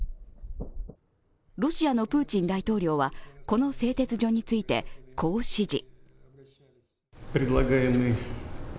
ロシアのプーチン大統領はこの製鉄所について、こう指示。